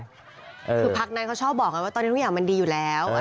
คือพักนั้นเขาชอบบอกไงว่าตอนนี้ทุกอย่างมันดีอยู่แล้ว